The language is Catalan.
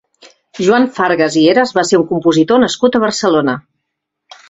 Joan Fargas i Heras va ser un compositor nascut a Barcelona.